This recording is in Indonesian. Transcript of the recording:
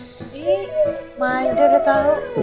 ih manja udah tahu